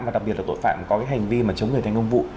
và đặc biệt là tội phạm có cái hành vi mà chống người thành công vụ